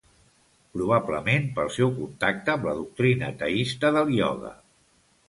Probablement pel seu contacte amb la doctrina teista del ioga.